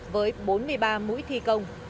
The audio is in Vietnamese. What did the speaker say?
với bốn mươi ba mũi thi công